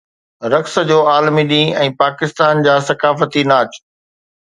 رقص جو عالمي ڏينهن ۽ پاڪستان جا ثقافتي ناچ